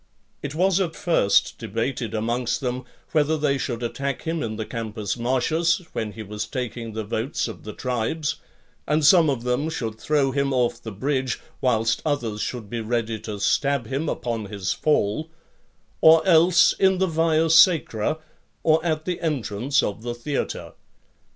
It was at first debated amongst them, whether they should attack him in the Campus Martius when he was taking the votes of the tribes, and some of them should throw him off the bridge, whilst others should be ready to stab him upon his fall; or else in the Via Sacra, or at the entrance of the theatre.